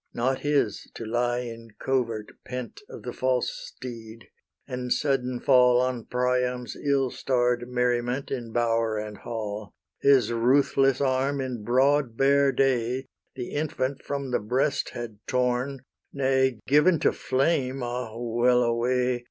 Not his to lie in covert pent Of the false steed, and sudden fall On Priam's ill starr'd merriment In bower and hall: His ruthless arm in broad bare day The infant from the breast had torn, Nay, given to flame, ah, well a way!